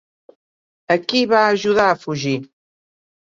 A qui va ajudar a fugir?